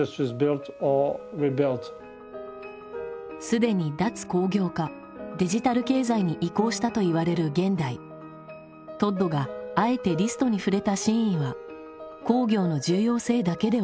既に脱工業化デジタル経済に移行したといわれる現代トッドがあえてリストに触れた真意は工業の重要性だけではない。